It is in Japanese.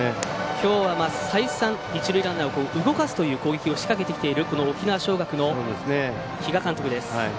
きょうは再三一塁ランナーを動かすという攻撃を仕掛けてきている沖縄尚学の比嘉監督です。